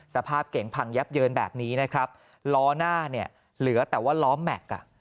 สภาพเก่งพังยับเยินแบบนี้นะครับล้อหน้าเนี่ยเหลือแต่ว่าล้อแม็กซ์อ่ะ